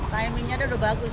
timingnya udah bagus